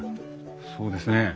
そうですね。